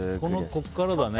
ここからだね。